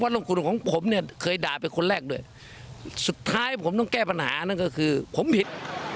ลงทุนของผมเนี่ยเคยด่าไปคนแรกด้วยสุดท้ายผมต้องแก้ปัญหานั่นก็คือผมผิด